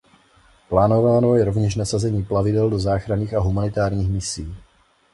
Plánováno je rovněž nasazení plavidel do záchranných a humanitárních misí.